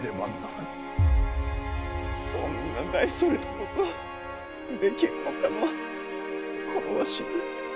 そんな大それたことできるのかのこのわしに。